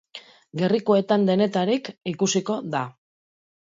Gerrikoetan denetarik ikusiko da.